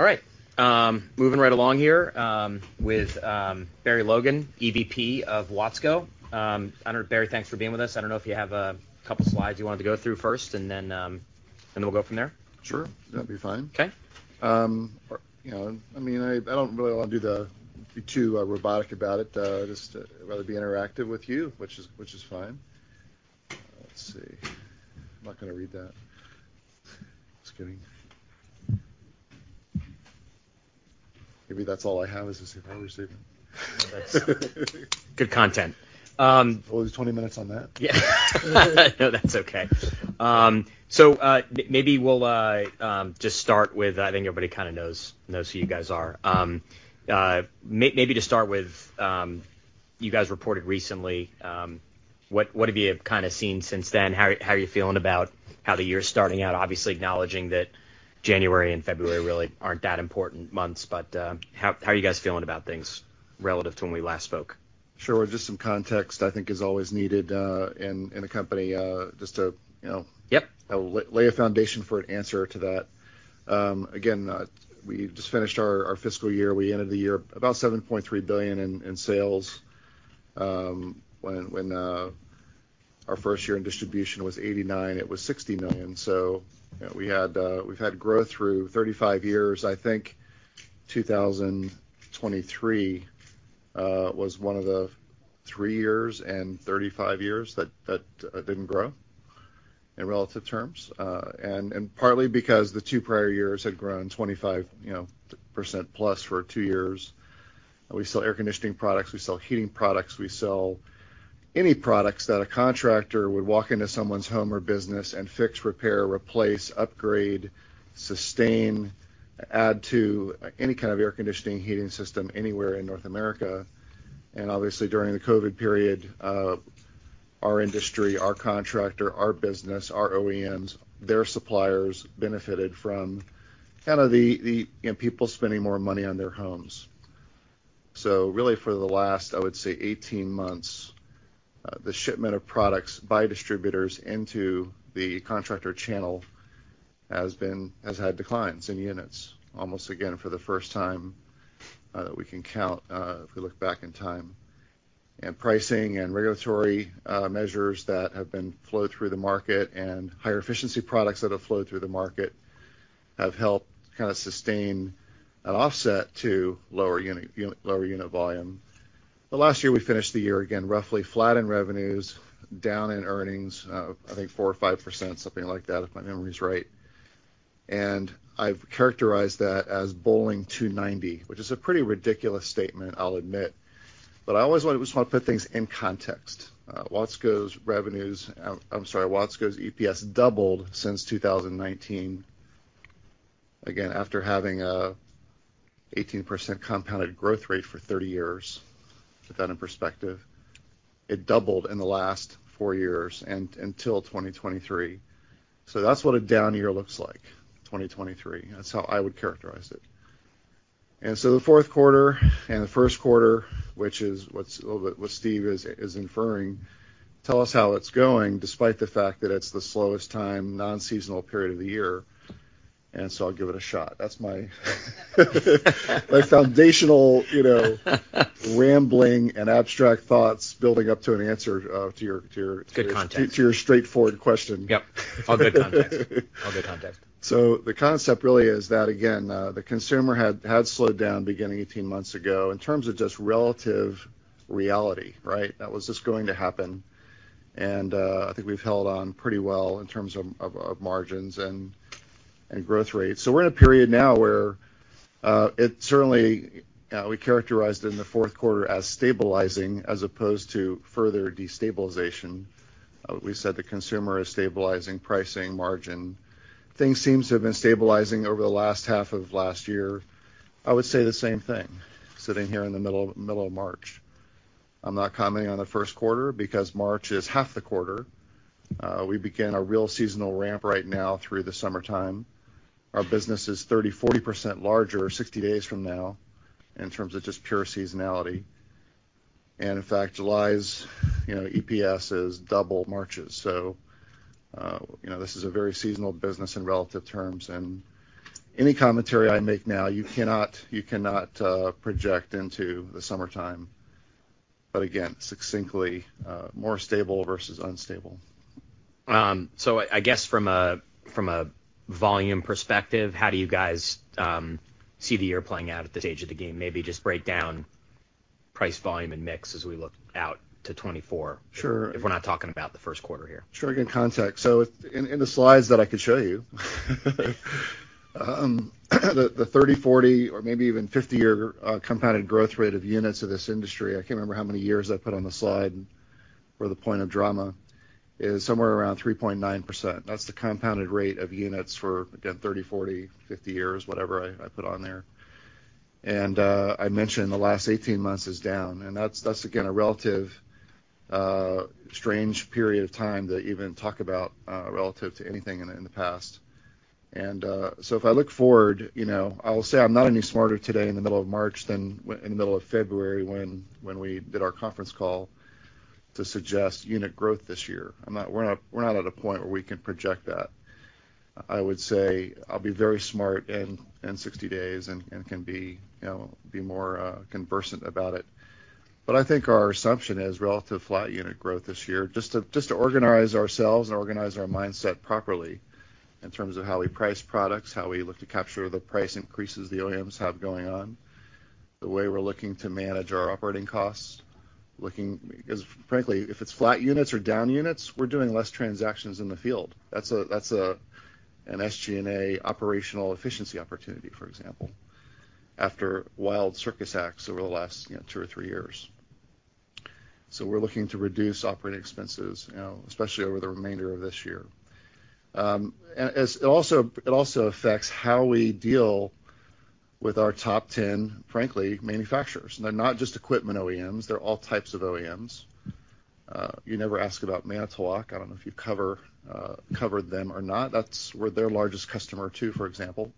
All right. Moving right along here with Barry Logan, EVP of Watsco. I don't know, Barry Logan, thanks for being with us. I don't know if you have a couple slides you wanted to go through first, and then, and then we'll go from there. Sure. That'd be fine. Okay. Or, you know, I mean, I don't really wanna be too robotic about it. Just rather be interactive with you, which is fine. Let's see. I'm not gonna read that. Just kidding. Maybe that's all I have, is this if I receive it. That's good content. Oh, there's 20 minutes on that? Yeah. No, that's okay. So, maybe we'll just start with, I think everybody kinda knows who you guys are. Maybe to start with, you guys reported recently. What have you kinda seen since then? How are you feeling about how the year's starting out? Obviously acknowledging that January and February really aren't that important months, but how are you guys feeling about things relative to when we last spoke? Sure. Just some context, I think, is always needed, in a company, just to, you know. Yep. Lay a foundation for an answer to that. Again, we just finished our fiscal year. We ended the year about $7.3 billion in sales. Our first year in distribution was 1989, it was $60 million. So, you know, we've had growth through 35 years. I think 2023 was one of the three years in 35 years that didn't grow in relative terms. And partly because the two prior years had grown 25%, you know, percent plus for two years. We sell air conditioning products. We sell heating products. We sell any products that a contractor would walk into someone's home or business and fix, repair, replace, upgrade, sustain, add to any kind of air conditioning, heating system anywhere in North America. Obviously, during the COVID period, our industry, our contractor, our business, our OEMs, their suppliers benefited from kind of the you know, people spending more money on their homes. So really, for the last, I would say, 18 months, the shipment of products by distributors into the contractor channel has had declines in units, almost again for the first time that we can count, if we look back in time. And pricing and regulatory measures that have been flowed through the market and higher efficiency products that have flowed through the market have helped kind of sustain an offset to lower unit volume. Last year, we finished the year again roughly flat in revenues, down in earnings, I think 4% or 5%, something like that, if my memory's right. And I've characterized that as bowling 290, which is a pretty ridiculous statement, I'll admit. But I always wanted just wanna put things in context. Watsco's revenues. I'm sorry. Watsco's EPS doubled since 2019, again, after having an 18% compounded growth rate for 30 years. Put that in perspective. It doubled in the last four years and until 2023. So that's what a down year looks like, 2023. That's how I would characterize it. And so the Q4 and the Q1, which is what's a little bit what Stephen Tusa is inferring, tell us how it's going despite the fact that it's the slowest time non-seasonal period of the year. And so I'll give it a shot. That's my foundational, you know, rambling and abstract thoughts building up to an answer, to your. Good context. To your straightforward question. Yep. All good context. All good context. So the concept really is that, again, the consumer had slowed down beginning 18 months ago in terms of just relative reality, right? That was just going to happen. And, I think we've held on pretty well in terms of margins and growth rates. So we're in a period now where, it certainly, we characterized it in the Q4 as stabilizing as opposed to further destabilization. We said the consumer is stabilizing pricing, margin. Things seem to have been stabilizing over the last half of last year. I would say the same thing, sitting here in the middle of March. I'm not commenting on the Q1 because March is half the quarter. We begin a real seasonal ramp right now through the summertime. Our business is 30%-40% larger 60 days from now in terms of just pure seasonality. And in fact, July's, you know, EPS is double March's. So, you know, this is a very seasonal business in relative terms. And any commentary I make now, you cannot project into the summertime. But again, succinctly, more stable versus unstable. I guess from a volume perspective, how do you guys see the year playing out at this stage of the game? Maybe just break down price, volume, and mix as we look out to 2024. Sure. If we're not talking about the Q1 here. Sure. Again, context. So it's in the slides that I could show you, the 30-year, 40-year, or maybe even 50-year compounded growth rate of units of this industry I can't remember how many years I put on the slide for the point of drama is somewhere around 3.9%. That's the compounded rate of units for, again, 30 years, 40 years, 50 years, whatever I put on there. And I mentioned the last 18 months is down. And that's, again, a relative, strange period of time to even talk about, relative to anything in the past. And so if I look forward, you know, I'll say I'm not any smarter today in the middle of March than we in the middle of February when we did our conference call to suggest unit growth this year. We're not at a point where we can project that. I would say I'll be very smart in 60 days and can be, you know, more conversant about it. But I think our assumption is relative flat unit growth this year just to organize ourselves and organize our mindset properly in terms of how we price products, how we look to capture the price increases the OEMs have going on, the way we're looking to manage our operating costs, looking 'cause frankly, if it's flat units or down units, we're doing less transactions in the field. That's an SG&A operational efficiency opportunity, for example, after wild circus acts over the last, you know, two or three years. So we're looking to reduce operating expenses, you know, especially over the remainder of this year. And as it also affects how we deal with our top 10, frankly, manufacturers. They're not just equipment OEMs. They're all types of OEMs. You never ask about Manitowoc. I don't know if you've covered them or not. That's where they're largest customer too, for example.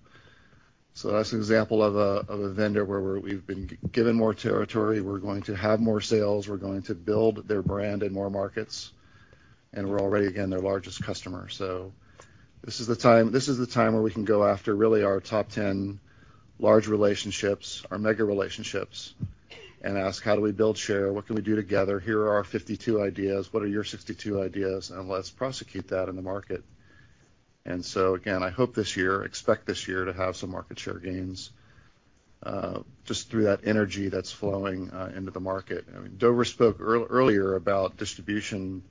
So that's an example of a vendor where we've been given more territory. We're going to have more sales. We're going to build their brand in more markets. And we're already, again, their largest customer. So this is the time where we can go after really our top 10 large relationships, our mega relationships, and ask, "How do we build share? What can we do together? Here are our 52 ideas. What are your 62 ideas?" And let's prosecute that in the market. And so again, I hope this year expect this year to have some market share gains, just through that energy that's flowing into the market. I mean, Dover spoke earlier about distribution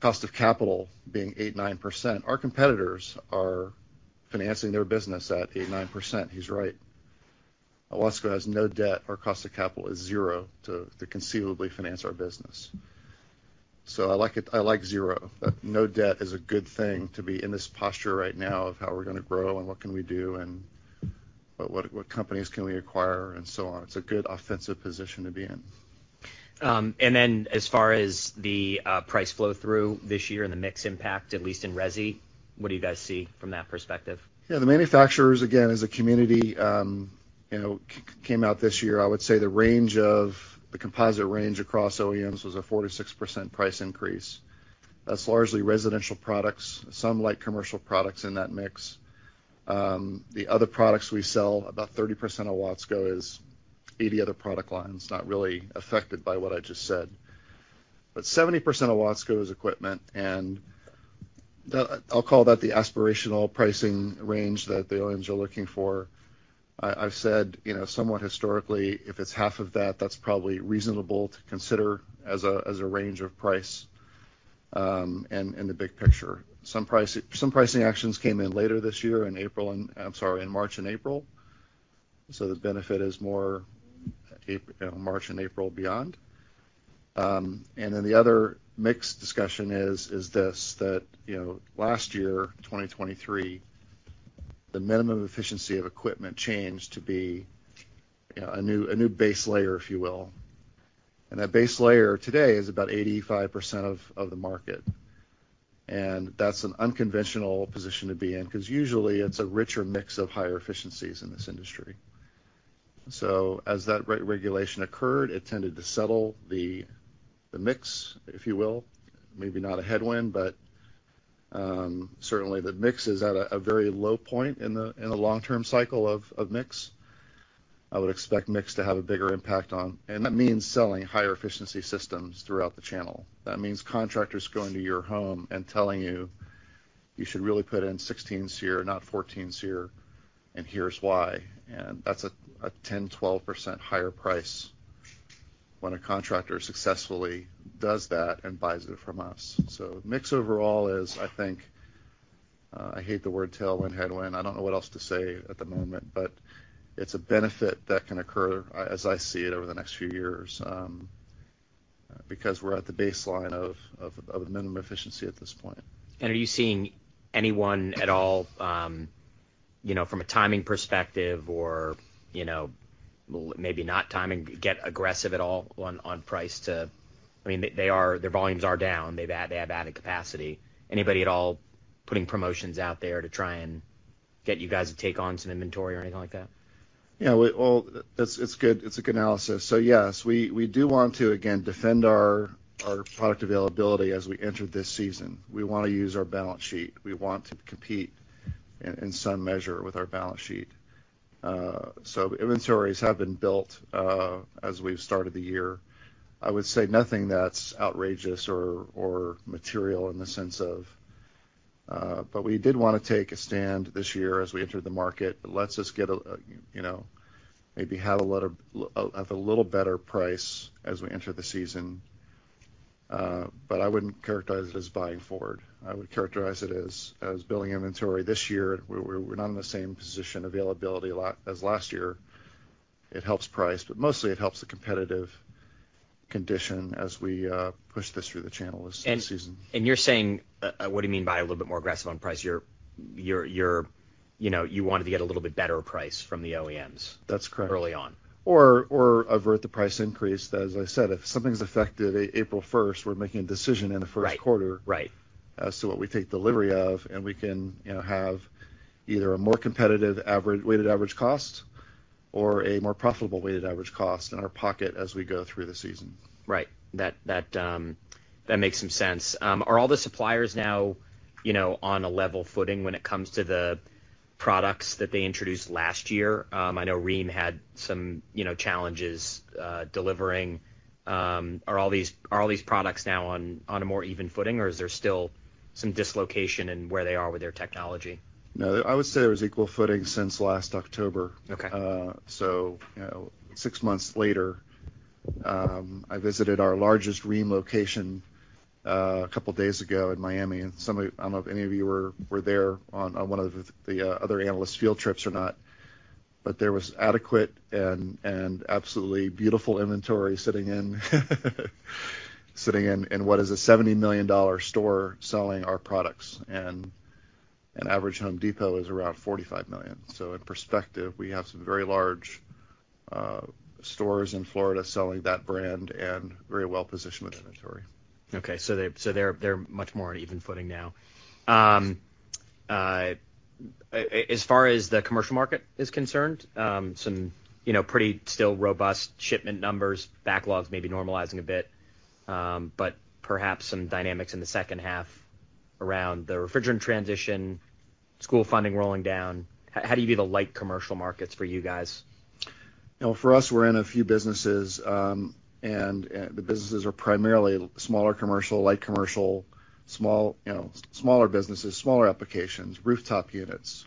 cost of capital being 8%-9%. Our competitors are financing their business at 8%-9%. He's right. Watsco has no debt. Our cost of capital is zero to conceivably finance our business. So I like it. I like zero but no debt is a good thing to be in this posture right now of how we're gonna grow and what can we do and what companies can we acquire and so on. It's a good offensive position to be in. As far as the price flow-through this year and the mix impact, at least in resi, what do you guys see from that perspective? Yeah. The manufacturers, again, as a community, you know, came out this year, I would say the range of the composite range across OEMs was a 4%-6% price increase. That's largely residential products, some light commercial products in that mix. The other products we sell, about 30% of Watsco is 80 other product lines, not really affected by what I just said. But 70% of Watsco is equipment. And that I'll call that the aspirational pricing range that the OEMs are looking for. I've said, you know, somewhat historically, if it's half of that, that's probably reasonable to consider as a range of price, in the big picture. Some pricing actions came in later this year in April and I'm sorry, in March and April. So the benefit is more April, you know, March and April beyond. Then the other mixed discussion is this, that, you know, last year, 2023, the minimum efficiency of equipment changed to be, you know, a new base layer, if you will. And that base layer today is about 85% of the market. And that's an unconventional position to be in 'cause usually, it's a richer mix of higher efficiencies in this industry. So as that re-regulation occurred, it tended to settle the mix, if you will. Maybe not a headwind, but certainly, the mix is at a very low point in the long-term cycle of mix. I would expect mix to have a bigger impact on and that means selling higher efficiency systems throughout the channel. That means contractors going to your home and telling you, "You should really put in 16s here, not 14s here, and here's why." That's a 10%-12% higher price when a contractor successfully does that and buys it from us. So mix overall is, I think I hate the word tailwind, headwind. I don't know what else to say at the moment. But it's a benefit that can occur, as I see it over the next few years, because we're at the baseline of minimum efficiency at this point. Are you seeing anyone at all, you know, from a timing perspective or, you know, maybe not timing, get aggressive at all on, on price? I mean, their volumes are down. They have added capacity. Anybody at all putting promotions out there to try and get you guys to take on some inventory or anything like that? Yeah. Well, that's good. It's a good analysis. So yes, we do want to, again, defend our product availability as we enter this season. We wanna use our balance sheet. We want to compete in some measure with our balance sheet. So inventories have been built, as we've started the year. I would say nothing that's outrageous or material in the sense of, but we did wanna take a stand this year as we entered the market. Let's just get a, you know, maybe have a little better price as we enter the season. But I wouldn't characterize it as buying forward. I would characterize it as building inventory this year. We're not in the same position availability a lot as last year. It helps price. But mostly, it helps the competitive condition as we push this through the channel this season. You're saying what do you mean by a little bit more aggressive on price? You know, you wanted to get a little bit better price from the OEMs. That's correct. Early on. Or, avert the price increase. As I said, if something's affected April 1st, we're making a decision in the Q1. Right. As to what we take delivery of. And we can, you know, have either a more competitive average weighted average cost or a more profitable weighted average cost in our pocket as we go through the season. Right. That makes some sense. Are all the suppliers now, you know, on a level footing when it comes to the products that they introduced last year? I know Rheem had some, you know, challenges delivering. Are all these products now on a more even footing? Or is there still some dislocation in where they are with their technology? No. I would say there was equal footing since last October. Okay. So, you know, six months later, I visited our largest Rheem location a couple days ago in Miami. And, some of, I don't know if any of you were there on one of the other analyst field trips or not. But there was adequate and absolutely beautiful inventory sitting in what is a $70 million store selling our products. And an average Home Depot is around $45 million. So, in perspective, we have some very large stores in Florida selling that brand and very well-positioned with inventory. Okay. So they're much more on even footing now. As far as the commercial market is concerned, some, you know, pretty still robust shipment numbers, backlogs maybe normalizing a bit, but perhaps some dynamics in the second half around the refrigerant transition, school funding rolling down. How do you view the light commercial markets for you guys? You know, for us, we're in a few businesses. The businesses are primarily smaller commercial, light commercial, small you know, smaller businesses, smaller applications, rooftop units.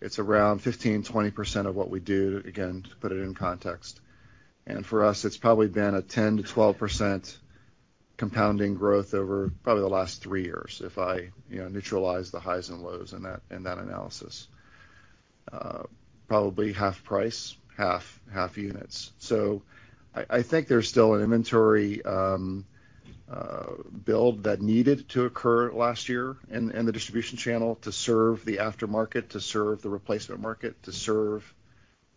It's around 15%-20% of what we do, again, to put it in context. And for us, it's probably been a 10%-12% compounding growth over probably the last three years if I, you know, neutralize the highs and lows in that in that analysis. Probably half price, half units. So I, I think there's still an inventory build that needed to occur last year in, in the distribution channel to serve the aftermarket, to serve the replacement market, to serve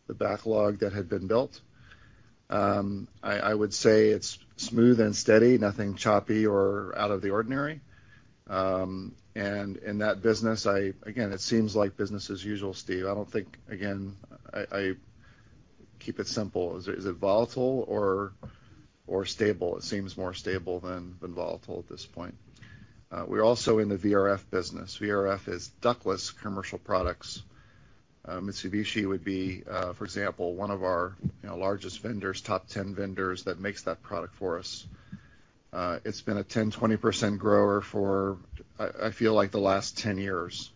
the backlog that had been built. I, I would say it's smooth and steady, nothing choppy or out of the ordinary. And in that business, I again, it seems like business as usual, Stephen Tusa. I don't think again, I keep it simple. Is it volatile or stable? It seems more stable than volatile at this point. We're also in the VRF business. VRF is ductless commercial products. Mitsubishi would be, for example, one of our, you know, largest vendors, top 10 vendors that makes that product for us. It's been a 10%-20% grower for I feel like the last 10 years.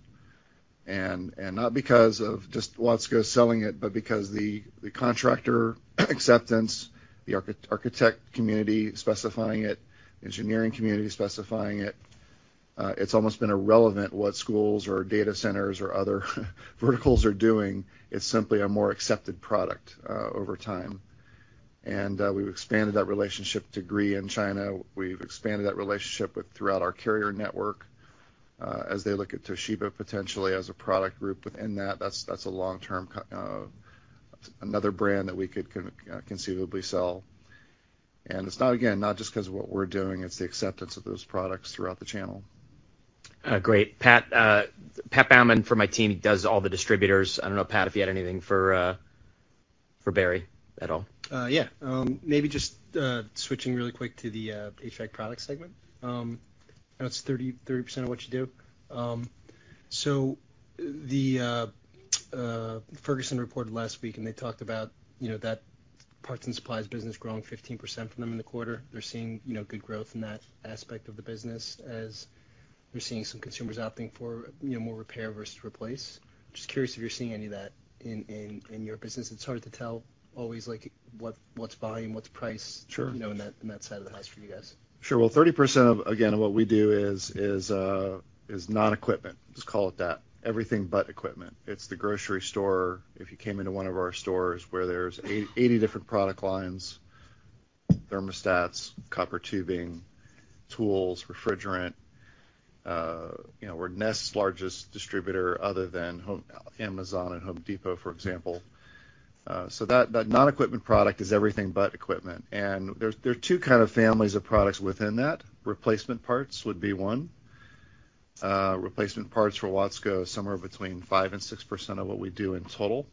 And not because of just Watsco selling it, but because the contractor acceptance, the architect community specifying it, engineering community specifying it. It's almost been irrelevant what schools or data centers or other verticals are doing. It's simply a more accepted product, over time. And we've expanded that relationship to Gree in China. We've expanded that relationship with throughout our Carrier network, as they look at Toshiba potentially as a product group within that. That's, that's a long-term another brand that we could conceivably sell. It's not again, not just 'cause of what we're doing. It's the acceptance of those products throughout the channel. Great. Pat Baumann from my team does all the distributors. I don't know, Pat Baumann, if you had anything for Barry Logan at all. Yeah. Maybe just switching really quick to the HVAC product segment. I know it's 30%-30% of what you do. So the Ferguson reported last week, and they talked about, you know, that parts and supplies business growing 15% from them in the quarter. They're seeing, you know, good growth in that aspect of the business as they're seeing some consumers opting for, you know, more repair versus replace. Just curious if you're seeing any of that in your business. It's hard to tell always, like, what's volume, what's price. Sure. You know, in that side of the house for you guys. Sure. Well, 30% of, again, of what we do is non-equipment. Let's call it that. Everything but equipment. It's the grocery store. If you came into one of our stores where there's 80 different product lines, thermostats, copper tubing, tools, refrigerant, you know, we're Nest's largest distributor other than Amazon and Home Depot, for example. So that non-equipment product is everything but equipment. And there's two kind of families of products within that. Replacement parts would be one. Replacement parts for Watsco, somewhere between 5%-6% of what we do in total.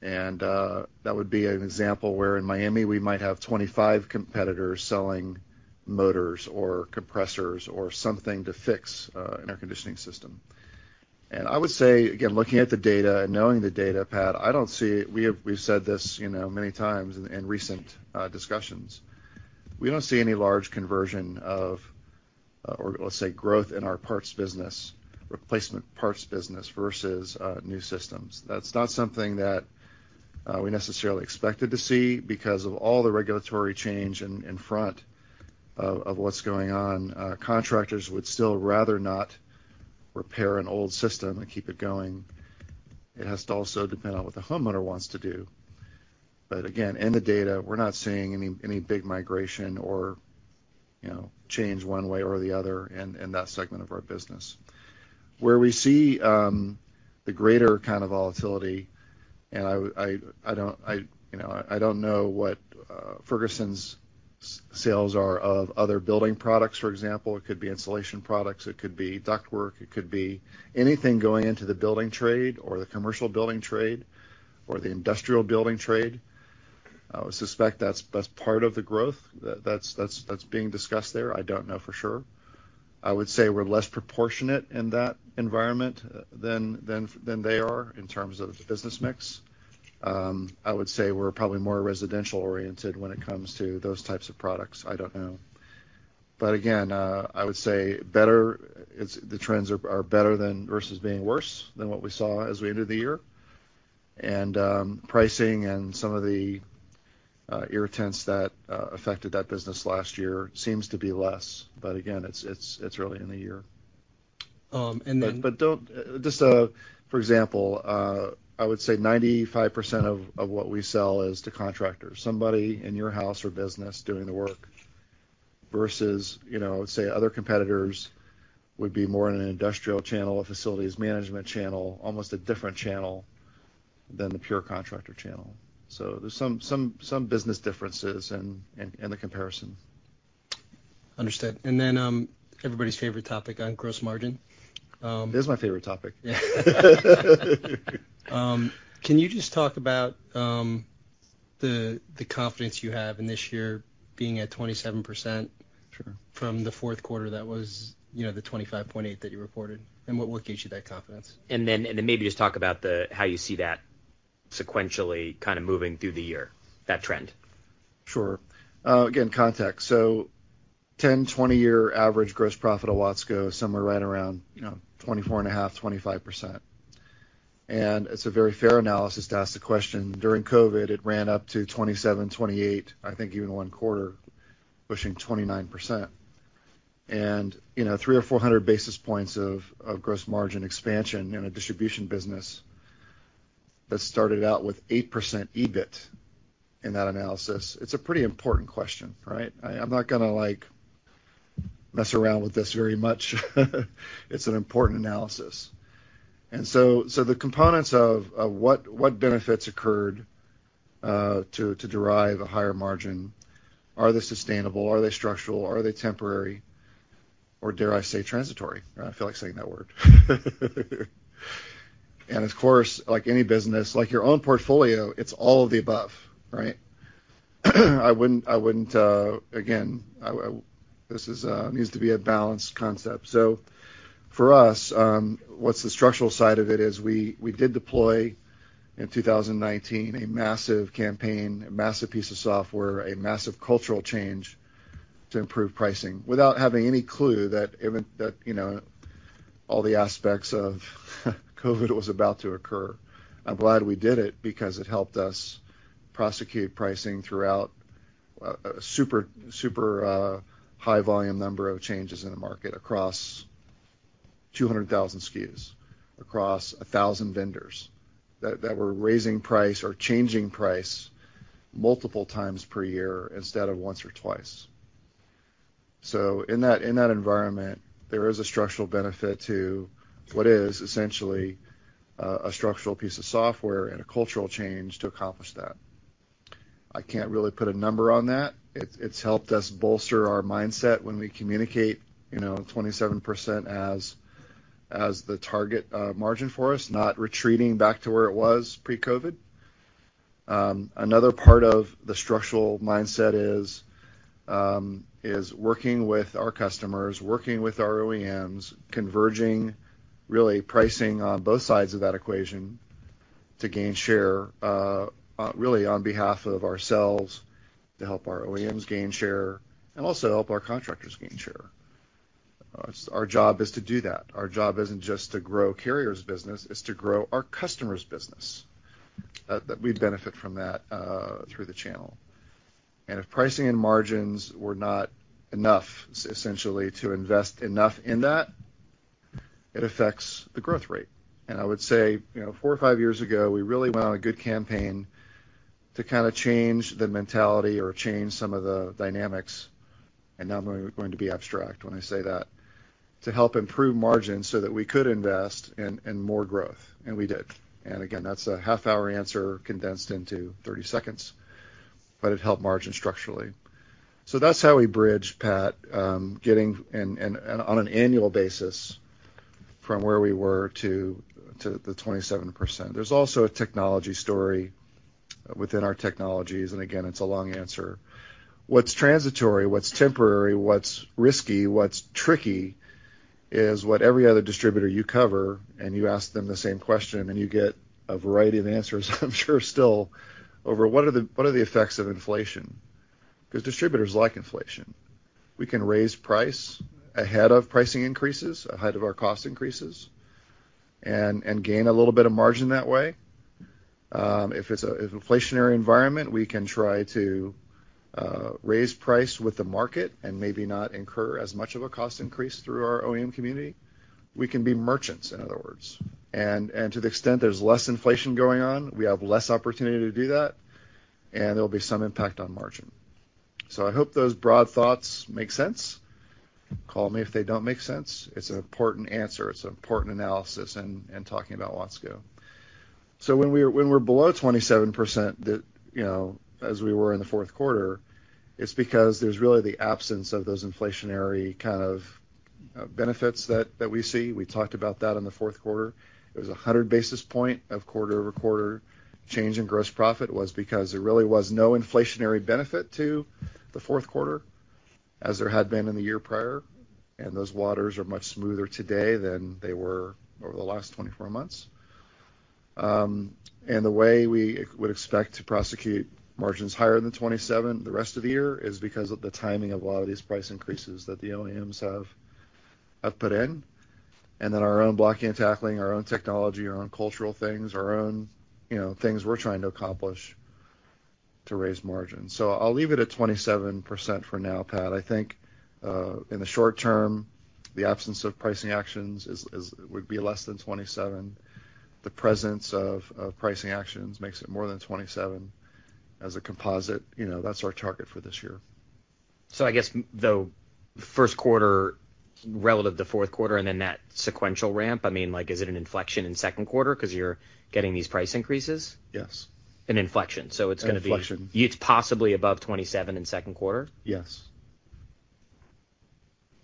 And that would be an example where in Miami, we might have 25 competitors selling motors or compressors or something to fix an air conditioning system. And I would say, again, looking at the data and knowing the data, Pat Baumann, I don't see we have, we've said this, you know, many times in, in recent, discussions. We don't see any large conversion of, or let's say growth in our parts business, replacement parts business versus, new systems. That's not something that, we necessarily expected to see because of all the regulatory change in, in front of, of what's going on. Contractors would still rather not repair an old system and keep it going. It has to also depend on what the homeowner wants to do. But again, in the data, we're not seeing any, any big migration or, you know, change one way or the other in, in that segment of our business. Where we see the greater kind of volatility and I don't, you know, I don't know what Ferguson's sales are of other building products, for example. It could be insulation products. It could be ductwork. It could be anything going into the building trade or the commercial building trade or the industrial building trade. I would suspect that's being discussed there. I don't know for sure. I would say we're less proportionate in that environment than they are in terms of the business mix. I would say we're probably more residential-oriented when it comes to those types of products. I don't know. But again, I would say the trends are better than versus being worse than what we saw as we entered the year. Pricing and some of the irritants that affected that business last year seems to be less. But again, it's early in the year. and then. But don't just, for example, I would say 95% of what we sell is to contractors, somebody in your house or business doing the work versus, you know, I would say other competitors would be more in an industrial channel, a facilities management channel, almost a different channel than the pure contractor channel. So there's some business differences in the comparison. Understood. And then, everybody's favorite topic on gross margin. It is my favorite topic. Can you just talk about the confidence you have in this year being at 27%? Sure. From the Q4? That was, you know, the 25.8% that you reported. What gave you that confidence? Then maybe just talk about how you see that sequentially kind of moving through the year, that trend. Sure. Again, context. So 10 year-20-year average gross profit at Watsco, somewhere right around, you know, 24.5%-25%. And it's a very fair analysis to ask the question. During COVID, it ran up to 27%-28%, I think, even 1Q, pushing 29%. And, you know, 300 basis points or 400 basis points of gross margin expansion in a distribution business that started out with 8% EBIT in that analysis, it's a pretty important question, right? I'm not gonna, like, mess around with this very much. It's an important analysis. And so, the components of what benefits occurred to derive a higher margin, are they sustainable? Are they structural? Are they temporary? Or dare I say transitory? I feel like saying that word. And of course, like any business, like your own portfolio, it's all of the above, right? I wouldn't, again. This needs to be a balanced concept. So for us, what's the structural side of it is we did deploy in 2019 a massive campaign, a massive piece of software, a massive cultural change to improve pricing without having any clue that even that, you know, all the aspects of COVID was about to occur. I'm glad we did it because it helped us prosecute pricing throughout a super high-volume number of changes in the market across 200,000 SKUs, across 1,000 vendors that were raising price or changing price multiple times per year instead of once or twice. So in that environment, there is a structural benefit to what is essentially a structural piece of software and a cultural change to accomplish that. I can't really put a number on that. It's helped us bolster our mindset when we communicate, you know, 27% as the target margin for us, not retreating back to where it was pre-COVID. Another part of the structural mindset is working with our customers, working with our OEMs, converging really pricing on both sides of that equation to gain share, really on behalf of ourselves to help our OEMs gain share and also help our contractors gain share. It's our job to do that. Our job isn't just to grow Carrier's business. It's to grow our customer's business, that we benefit from that, through the channel. If pricing and margins were not enough, essentially, to invest enough in that, it affects the growth rate. I would say, you know, four years or five years ago, we really went on a good campaign to kind of change the mentality or change some of the dynamics, and now I'm going to be abstract when I say that, to help improve margins so that we could invest in more growth. And we did. And again, that's a half-hour answer condensed into 30 seconds. But it helped margin structurally. So that's how we bridge, Pat Baumann, getting on an annual basis from where we were to the 27%. There's also a technology story within our technologies. And again, it's a long answer. What's transitory, what's temporary, what's risky, what's tricky is what every other distributor you cover and you ask them the same question, and you get a variety of answers, I'm sure, still over what are the what are the effects of inflation? 'Cause distributors like inflation. We can raise price ahead of pricing increases, ahead of our cost increases, and, and gain a little bit of margin that way. If it's a if inflationary environment, we can try to, raise price with the market and maybe not incur as much of a cost increase through our OEM community. We can be merchants, in other words. And, and to the extent there's less inflation going on, we have less opportunity to do that. And there'll be some impact on margin. So I hope those broad thoughts make sense. Call me if they don't make sense. It's an important answer. It's an important analysis in talking about Watsco. So when we're below 27%, you know, as we were in the Q4, it's because there's really the absence of those inflationary kind of benefits that we see. We talked about that in the Q4. It was 100 basis point of quarter-over-quarter change in gross profit was because there really was no inflationary benefit to the Q4 as there had been in the year prior. And those waters are much smoother today than they were over the last 24 months. The way we would expect to prosecute margins higher than 27% the rest of the year is because of the timing of a lot of these price increases that the OEMs have put in and then our own blocking and tackling, our own technology, our own cultural things, our own, you know, things we're trying to accomplish to raise margin. So I'll leave it at 27% for now, Pat Baumann. I think, in the short term, the absence of pricing actions is would be less than 27%. The presence of pricing actions makes it more than 27% as a composite. You know, that's our target for this year. So I guess, though, Q1 relative to Q4 and then that sequential ramp, I mean, like, is it an inflection in Q2 'cause you're getting these price increases? Yes. An inflection. So it's gonna be. An inflection. It's possibly above 27% in Q2? Yes.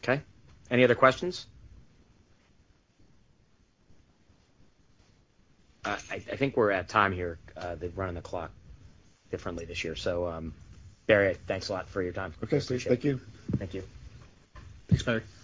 Okay. Any other questions? I think we're at time here. They run on the clock differently this year. So, Barry Logan, thanks a lot for your time. Okay. Thank you. Thank you. Thanks, Barry Logan.